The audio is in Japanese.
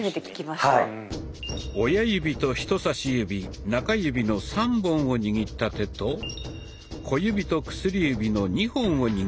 親指と人さし指中指の３本を握った手と小指と薬指の２本を握った手。